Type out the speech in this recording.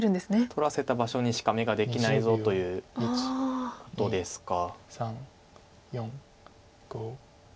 「取らせた場所にしか眼ができないぞ」ということですか。